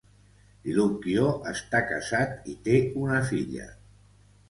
DiLucchio està casat i té una filla.